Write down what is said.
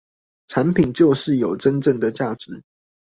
產品就是有真正的價值